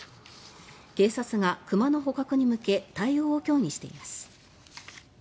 警察が熊の捕獲に向け対応を協議しています。